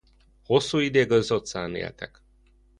Hosszú ideig az utcán éltek.